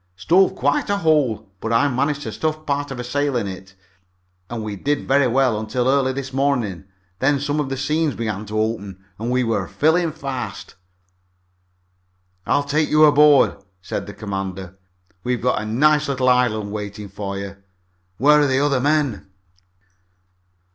"Stove quite a hole, but I managed to stuff part of a sail in it, and we did very well until early this morning. Then some of the seams began to open, and we're filling fast." "I'll take you aboard," said the commander. "We've got a nice little island waiting for you. Where are the other men?"